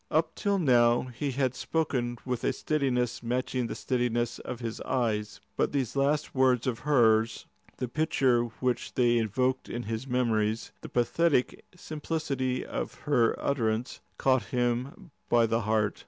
Up till now he had spoken with a steadiness matching the steadiness of his eyes. But these last words of hers, the picture which they evoked in his memories, the pathetic simplicity of her utterance, caught him by the heart.